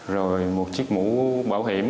rồi một chiếc mũ bảo hiểm